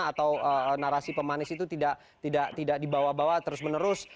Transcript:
atau narasi pemanis itu tidak dibawa bawa terus menerus